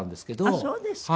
あっそうですか。